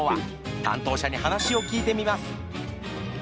担当者に話を聞いてみます。